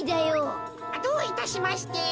どういたしまして。